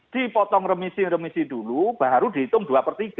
dipotong remisi remisi dulu baru dihitung dua per tiga